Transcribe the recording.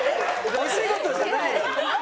お仕事じゃないのよ！